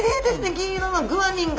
銀色のグアニンが。